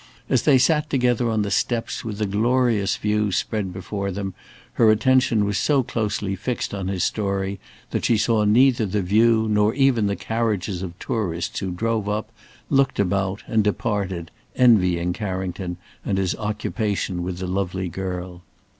As they sat together on the steps with the glorious view spread before them, her attention was so closely fixed on his story that she saw neither the view nor even the carriages of tourists who drove up, looked about, and departed, envying Carrington his occupation with the lovely girl.